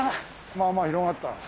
まぁまぁ広がった。